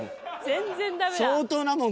全然ダメだ。